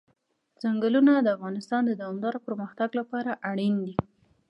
ځنګلونه د افغانستان د دوامداره پرمختګ لپاره اړین دي.